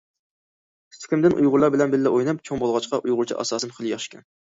كىچىكىمدىن ئۇيغۇرلار بىلەن بىللە ئويناپ چوڭ بولغاچقا، ئۇيغۇرچە ئاساسىم خېلى ياخشى.